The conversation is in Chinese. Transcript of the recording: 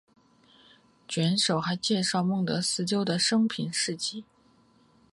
卷首还介绍孟德斯鸠的生平事迹。